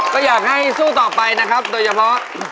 ก็อยากให้สู้ต่อไปนะครับโดยเฉพาะ